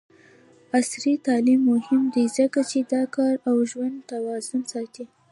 عصري تعلیم مهم دی ځکه چې د کار او ژوند توازن ساتي.